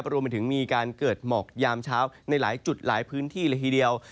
รวมไปถึงมีการเกิดหมอกยามเช้าในหลายจุดหลายพื้นที่เลยทีเดียว